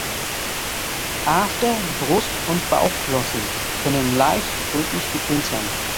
After-, Brust- und Bauchflossen können leicht rötlich getönt sein.